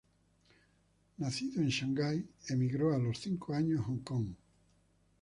Nacido en Shanghái, emigró a los cinco años a Hong Kong.